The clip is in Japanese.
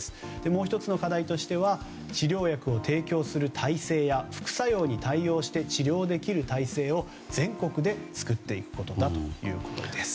もう１つの課題としては治療薬を提供する体制や副作用に対応して治療できる体制を全国で作っていくことだということです。